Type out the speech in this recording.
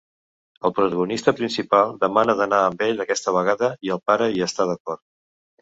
El protagonista principal demana d'anar amb ell aquesta vegada i el pare hi està d'acord.